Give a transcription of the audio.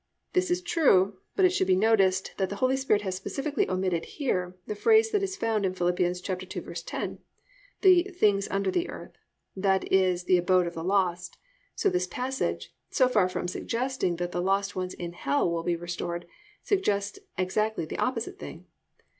This is true, but it should be noticed that the Holy Spirit has specifically omitted here the phrase that is found in Phil. 2:10, the "things under the earth," that is the abode of the lost, so this passage, so far from suggesting that the lost ones in hell will be restored, suggests exactly the opposite thing.